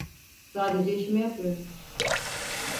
Sadece işimi yapıyorum.